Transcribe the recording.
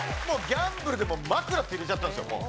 もうギャンブルで「マクラ」って入れちゃったんですよ